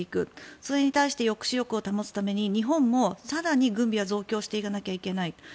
それに対して抑止力を保つために日本も更に軍備を増強していかないといけない。